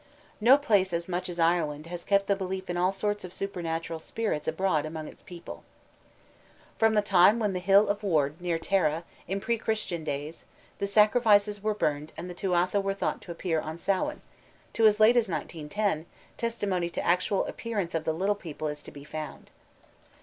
No place as much as Ireland has kept the belief in all sorts of supernatural spirits abroad among its people. From the time when on the hill of Ward, near Tara, in pre Christian days, the sacrifices were burned and the Tuatha were thought to appear on Samhain, to as late as 1910, testimony to actual appearances of the "little people" is to be found.